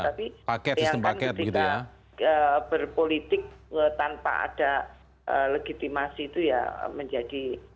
tapi yang kan kita berpolitik tanpa ada legitimasi itu ya menjadi